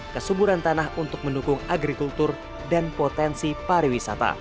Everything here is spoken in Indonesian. kesumburan tanah untuk mendukung agrikultur dan potensi pariwisata